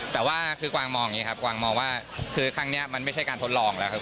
แต่ว่าคือกวางมองอย่างนี้ครับกวางมองว่าคือครั้งนี้มันไม่ใช่การทดลองแล้วครับ